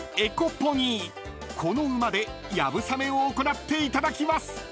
［この馬で流鏑馬を行っていただきます］